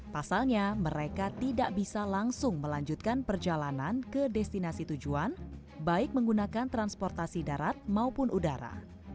pasalnya mereka tidak bisa langsung melanjutkan perjalanan ke destinasi tujuan baik menggunakan transportasi darat maupun udara